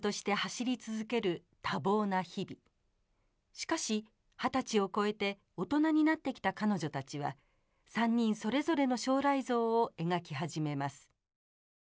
しかし二十歳を超えて大人になってきた彼女たちは３人それぞれの将来像を描き始めます。